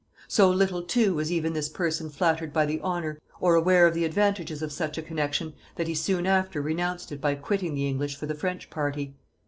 So little too was even this person flattered by the honor, or aware of the advantages, of such a connection, that he soon after renounced it by quitting the English for the French party.